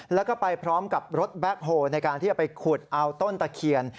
แล้วก็ไปพร้อมกับรถแบ็คโฮลในการที่จะไปขุดเอาต้นตะเคียน